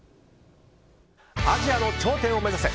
アジアの頂点を目指せ！